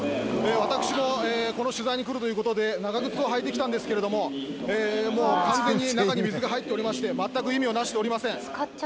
私もこの取材に来るということで長靴を履いてきたんですけれどももう完全に中に水が入っておりまして全く意味をなしておりません